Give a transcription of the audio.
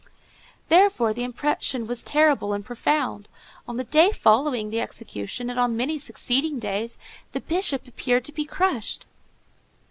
Therefore, the impression was terrible and profound; on the day following the execution, and on many succeeding days, the Bishop appeared to be crushed.